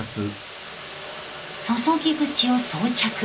注ぎ口を装着。